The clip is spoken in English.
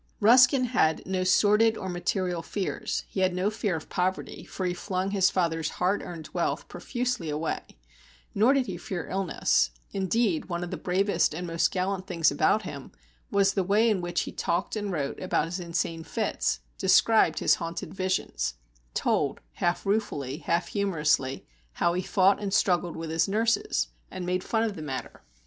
Ruskin had no sordid or material fears; he had no fear of poverty, for he flung his father's hard earned wealth profusely away; nor did he fear illness; indeed one of the bravest and most gallant things about him was the way in which he talked and wrote about his insane fits, described his haunted visions, told, half ruefully, half humorously, how he fought and struggled with his nurses, and made fun of the matter.